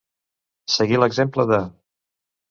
Seguir l'exemple de.